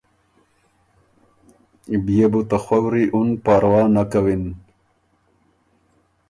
بيې بو ته خؤری اُن پاروا نک کَوِن۔